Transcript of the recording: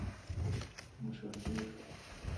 مشاجر